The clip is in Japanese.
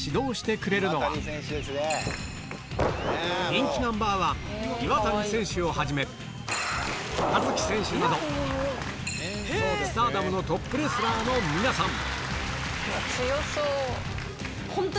人気ナンバーワン岩谷選手をはじめ葉月選手などＳＴＡＲＤＯＭのトップレスラーの皆さん